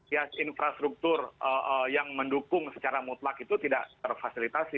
ya infrastruktur yang mendukung secara mutlak itu tidak terfasilitasi